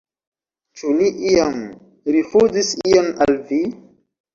Ĉu li iam rifuzis ion al vi?